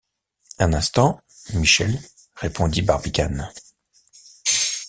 Un instant, Michel, répondit Barbicane.